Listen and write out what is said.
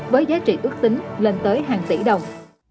với giá trị ước tính lên tới hàng tỷ đồng